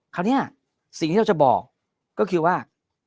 คราวนี้สิ่งที่เราจะบอกก็คือว่า